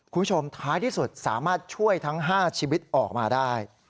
คุณผู้ชมท้ายที่สุดสามารถช่วยทั้ง๕ชีวิตออกมาได้